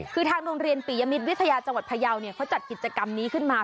คือทางโรงเรียนปิยมิตรวิทยาจังหวัดพยาวเขาจัดกิจกรรมนี้ขึ้นมา